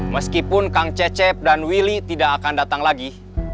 meskipun kang cecep dan willy tidak akan datang lagi